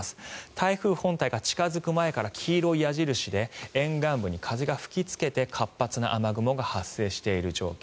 台風本体が近付く前から黄色い矢印で沿岸部に風が吹きつけて活発な雨雲が発生している状況。